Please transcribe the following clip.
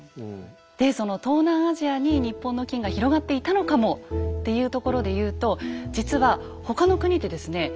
でその東南アジアに日本の金が広がっていたのかもっていうところで言うと実は他の国でですね